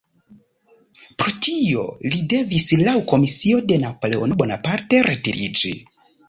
Pro tio li devis laŭ komisio de Napoleono Bonaparte retiriĝi.